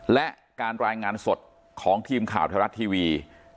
และการรายงานสดของทีมข่าวไทยรัฐทีวี